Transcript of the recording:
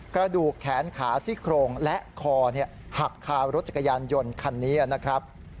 กระดูกแขนขาซี่โครงและคอหักคารถจักรยานยนต์คันนี้นะครับ